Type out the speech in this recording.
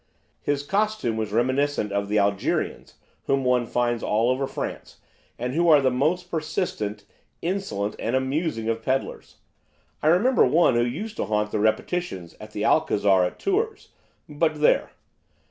His costume was reminiscent of the 'Algerians' whom one finds all over France, and who are the most persistent, insolent and amusing of pedlars. I remember one who used to haunt the répétitions at the Alcazar at Tours, but there!